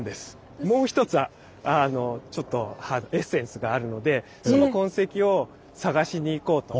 もう一つちょっとエッセンスがあるのでその痕跡を探しに行こうと。